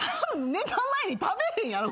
ネタ前に食べへんやろ。